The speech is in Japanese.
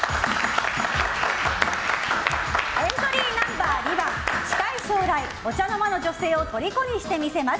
エントリーナンバー２番近い将来お茶の間の女性を虜にして見せます。